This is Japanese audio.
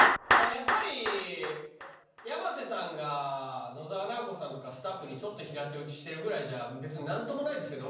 やっぱり山瀬さんが野沢直子さんとかスタッフにちょっと平手打ちしてるぐらいじゃ別に何ともないですよね。